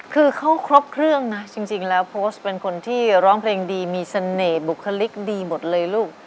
คือเขาครบเครื่องนะจริงแล้วโพสต์เป็นคนที่ร้องเพลงดีมีเสน่ห์บุคลิกดีหมดเลยลูก